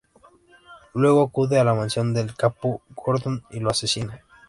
Luego acude a la mansión del capo, Gordon, y lo asesina.